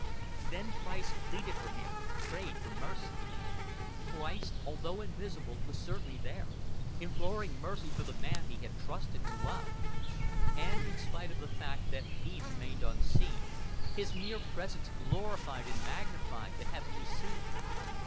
Then Christ pleaded for him, prayed for mercy. Christ, although invisible, was certainly there, imploring mercy for the man he had trusted and loved; and, in spite of the fact that He remained unseen, His mere presence glorified and magnified the heavenly scene.